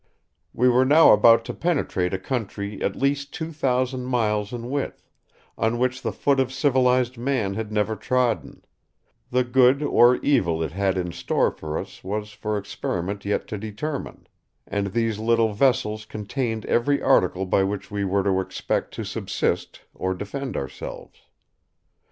We were now about to penetrate a country at least two thousand miles in width, on which the foot of civilized man had never trodden; the good or evil it had in store for us was for experiment yet to determine, and these little vessells contained every article by which we were to expect to subsist or defend ourselves.